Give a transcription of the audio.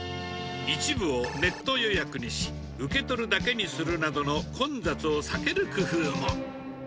一部をネット予約にし、受け取るだけにするなどの混雑を避ける工夫も。